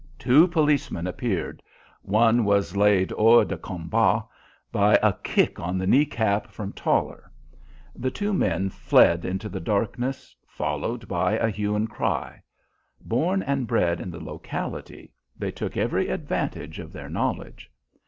Two policemen appeared. One was laid hors de combat by a kick on the knee cap from Toller. The two men fled into the darkness, followed by a hue and cry. Born and bred in the locality, they took every advantage of their knowledge.